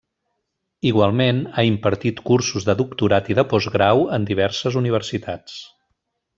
Igualment, ha impartit cursos de doctorat i de postgrau en diverses universitats.